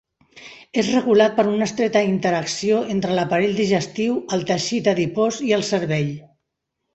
És regulat per una estreta interacció entre l'aparell digestiu, el teixit adipós i el cervell.